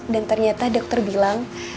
dan ternyata dokter bilang